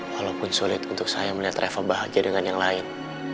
walaupun sulit untuk saya melihat reva bahagia dengan yang lain